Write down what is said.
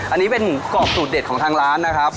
อันนี้เป็นกรอบสูตรเด็ดของทางร้านนะครับ